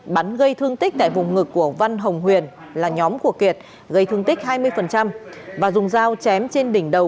bắn gây thương tích tại vùng ngực của văn hồng huyền là nhóm của kiệt gây thương tích hai mươi và dùng dao chém trên đỉnh đầu